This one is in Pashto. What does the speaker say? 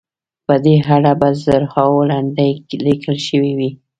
په دې اړه به زرهاوو لنډۍ لیکل شوې وي.